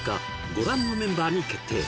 ご覧のメンバーに決定